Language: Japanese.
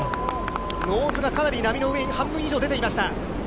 ノーズがかなり、波の上に半分以上出ていました。